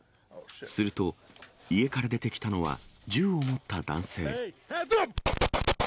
すると、家から出てきたのは銃を持った男性。